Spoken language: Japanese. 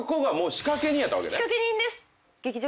仕掛け人です。